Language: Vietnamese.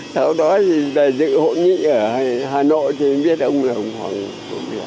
sau đó thì là dự hội nghị ở hà nội thì biết ông là ông hoàng quốc việt